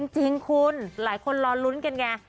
จริงคุณหลายคนรอลุ้นกันไง